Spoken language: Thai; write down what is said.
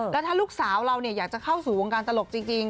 แล้วถ้าลูกสาวเราอยากจะเข้าสู่วงการตลกจริง